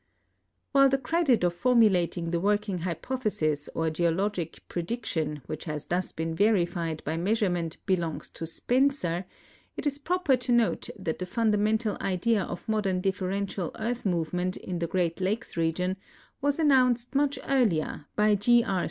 While the credit of formulating the working hypothesis or geo logic prediction which has thus been verified by measurement belongs to Spencer, it is proi)er to note that the fundamental idea of modern diflferential earth movement in the Cireat Lakes region was announced much earlier by G. R.